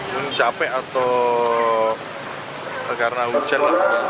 ini capek atau karena hujan